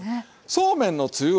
そうめんのつゆ。